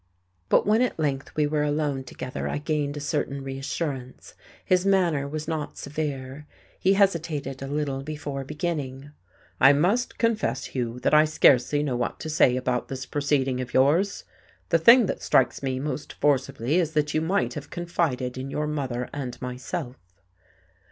But when at length we were alone together, I gained a certain reassurance. His manner was not severe. He hesitated a little before beginning. "I must confess, Hugh; that I scarcely know what to say about this proceeding of yours. The thing that strikes me most forcibly is that you might have confided in your mother and myself."